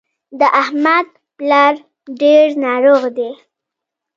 د احمد پلار ډېر ناروغ دی.